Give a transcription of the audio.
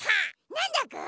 なんだぐ？